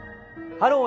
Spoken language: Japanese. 「ハロー！